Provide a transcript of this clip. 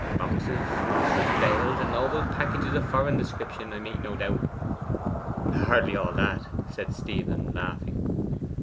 Boxes, monstrous bales, and noble packages of foreign description, I make no doubt?' 'Hardly all that,' said Stephen laughing.